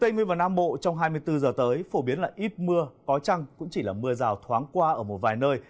nam bộ trong hai mươi bốn giờ tới phổ biến là ít mưa có trăng cũng chỉ là mưa rào thoáng qua ở một vài nơi